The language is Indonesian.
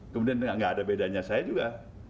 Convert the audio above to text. kemudian nggak ada bedanya saya juga